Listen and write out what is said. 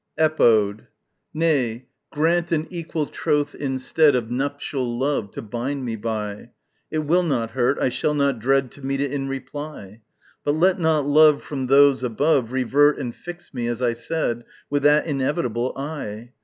Epode. Nay, grant an equal troth instead Of nuptial love, to bind me by! It will not hurt, I shall not dread To meet it in reply. But let not love from those above Revert and fix me, as I said, With that inevitable Eye!